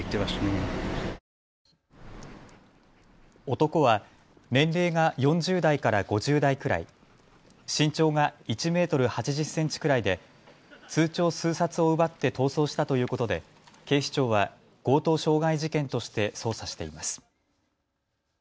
男は年齢が４０代から５０代くらい、身長が１メートル８０センチくらいで通帳数冊を奪って逃走したということで警視庁は強盗傷害事件として捜査しています。